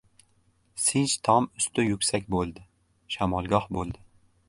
Sinch tom usti yuksak bo‘ldi, shamolgoh bo‘ldi.